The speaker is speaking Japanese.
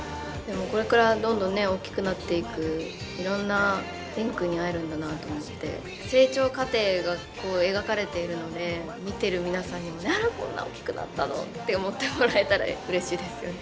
これからどんどん大きくなっていくいろんな蓮くんに会えるんだなと思って成長過程がこう描かれているので見てる皆さんにもこんな大きくなったのって思ってもらえたらうれしいですよね。